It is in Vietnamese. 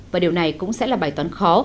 và điều này cũng sẽ là bài toán khó